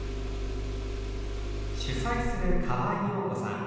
主催する河合要子さん。